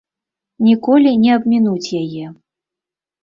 Ніколі не абмінуць яе.